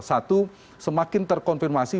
satu semakin terkonfirmasi